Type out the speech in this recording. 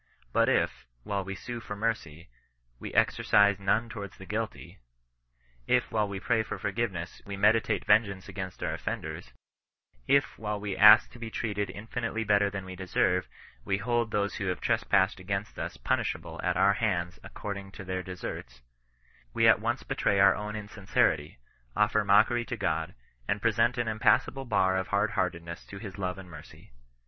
But if, while we sue for mercy, we exercise none to^^x^^ VJixa ^qSlXtj sSS. 36 CHRISTIAir NOK BB8IBTAN0B. while we pray for forgiveness, we meditate yengeanoe against our offenders ; if while we ask to he treated in finitely better than we deserve, we hold those who have trespassed against us punishable at our hands according to their deserts, we at once betray our own insincerity ; offer mockery to Qod, and present an impassable bar of hardheartedness to his love and mercy.